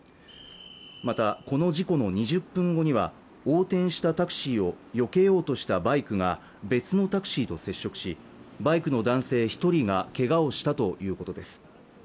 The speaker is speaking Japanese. またこの事故の２０分後には横転したタクシーをよけようとしたバイクが別のタクシーと接触しバイクの男性一人がけがをしたということです